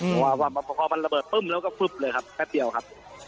เพราะว่าพอมันระเบิดปึ้มแล้วก็ฟึ๊บเลยครับแป๊บเดียวครับ